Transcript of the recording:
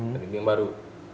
dan ini yang baru